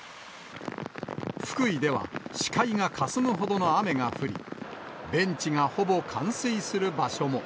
福井では、視界がかすむほどの雨が降り、ベンチがほぼ冠水する場所も。